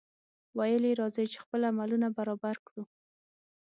ویل یې راځئ! چې خپل عملونه برابر کړو.